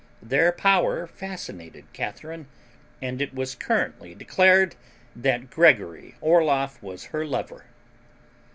Their power fascinated Catharine, and it was currently declared that Gregory Orloff was her lover.